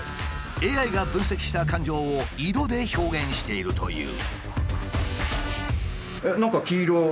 ＡＩが分析した感情を色で表現しているという。